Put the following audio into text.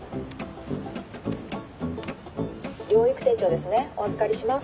療育手帳ですねお預かりします。